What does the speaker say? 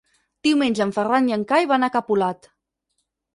Diumenge en Ferran i en Cai van a Capolat.